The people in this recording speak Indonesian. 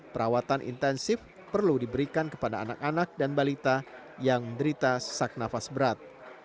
perawatan intensif perlu diberikan kepada anak anak dan balita yang menderita sesak nafas berat